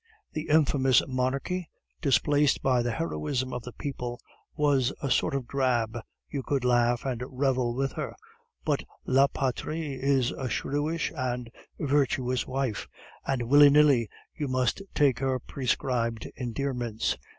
The infamous monarchy, displaced by the heroism of the people, was a sort of drab, you could laugh and revel with her; but La Patrie is a shrewish and virtuous wife, and willy nilly you must take her prescribed endearments.